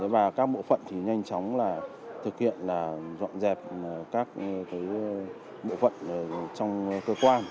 và các bộ phận thì nhanh chóng là thực hiện dọn dẹp các bộ phận trong cơ quan